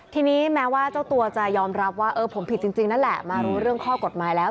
ทีนี้แม้ว่าเจ้าตัวจะยอมรับว่าผมผิดจริงนั่นแหละมารู้เรื่องข้อกฎหมายแล้ว